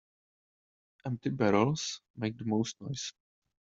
Empty barrels make the most noise.